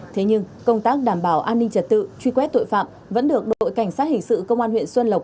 thế nhưng công tác đảm bảo an ninh trật tự truy quét tội phạm vẫn được đội cảnh sát hình sự công an huyện xuân lộc